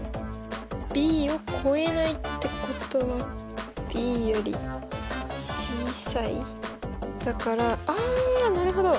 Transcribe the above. ｂを超えないってことはｂより小さいだからあなるほど。